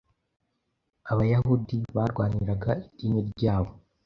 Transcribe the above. Abayahudi barwaniraga idini ryabo,